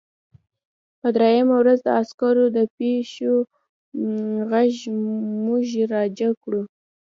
په درېیمه ورځ د عسکرو د پښو غږ موږ راجګ کړو